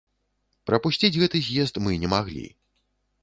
Прапусціць гэты з'езд мы не маглі.